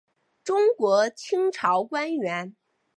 中国清朝官员。